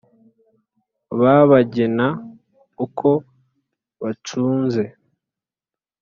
bá bagena ukó bacunzé